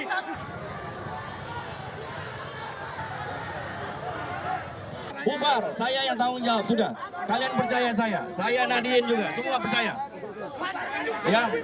kobar saya yang tanggung jawab sudah kalian percaya saya saya nadiin juga semua percaya